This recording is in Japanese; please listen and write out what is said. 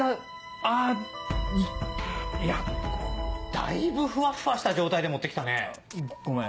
だいぶフワッフワした状態で持って来たね。ごめん。